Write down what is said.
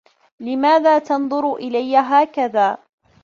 لماذا تنظُرُ إليَّ هكذا؟